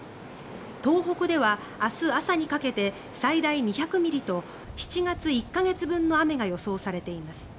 東北では明日朝にかけて最大２００ミリと７月１か月分の雨が予想されています。